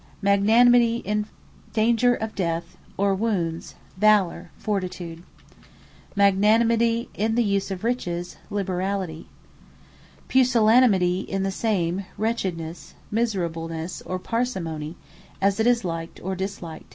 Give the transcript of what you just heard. Valour Magnanimity, in danger of Death, or Wounds, VALOUR, FORTITUDE. Liberality Magnanimity in the use of Riches, LIBERALITY Miserablenesse Pusillanimity, in the same WRETCHEDNESSE, MISERABLENESSE; or PARSIMONY; as it is liked or disliked.